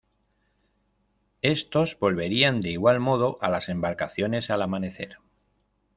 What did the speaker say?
Estos volverían de igual modo a las embarcaciones al amanecer.